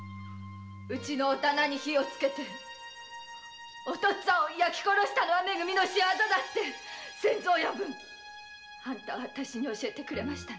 お店に火をつけお父っつぁんを焼き殺したのはめ組の者だって仙蔵親分あんたは私に教えてくれました。